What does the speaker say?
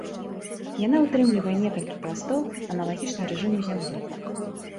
Яна ўтрымлівае некалькі пластоў, аналагічна рэжыму зямлі.